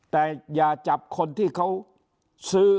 แต่อย่าจับคนที่เขาซื้อ